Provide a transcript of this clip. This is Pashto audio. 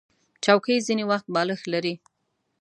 چوکۍ ځینې وخت بالښت لري.